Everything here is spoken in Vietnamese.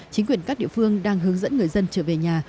chính quyền các địa phương đang hướng dẫn người dân trở về nhà